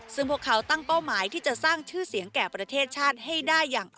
ซึ่งพวกเขาตั้งเป้าหมายที่จะสร้างชื่อเสียงแก่ประเทศชาติให้ได้อย่าง